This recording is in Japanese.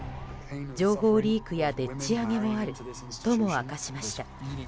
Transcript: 情報リークやでっち上げもあるとも明かしました。